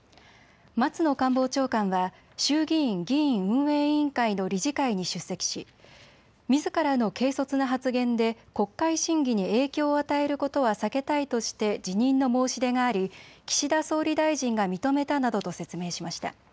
松野官房長官は衆議院議院運営委員会の理事会に出席しみずからの軽率な発言で国会審議に影響を与えることは避けたいとして辞任の申し出があり岸田総理大臣が認めたなどと説明しました。